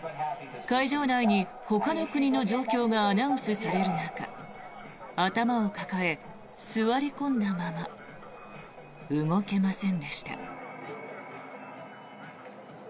会場内にほかの国の状況がアナウンスされる中頭を抱え、座り込んだまま動けませんでした。